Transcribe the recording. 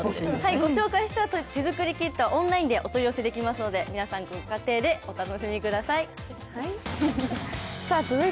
御紹介した手作りキットはオンラインでお取り寄せできますので皆さん、ご家庭でお楽しみください